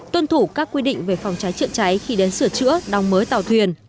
tuân thủ các quy định về phòng cháy chữa cháy khi đến sửa chữa đong mới tàu thuyền